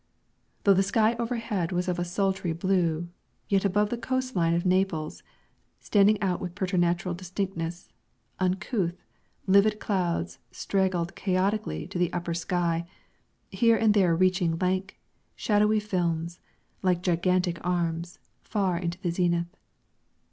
Though the sky overhead was of a sultry blue, yet above the coast line of Naples, standing out with preternatural distinctness, uncouth, livid clouds straggled chaotically to the upper sky, here and there reaching lank, shadowy films, like gigantic arms, far into the zenith.